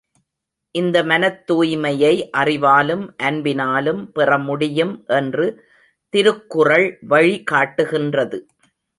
இந்த மனத்தூய்மையை அறிவாலும், அன்பினாலும் பெறமுடியும் என்று திருக்குறள் வழி காட்டுகின்றது.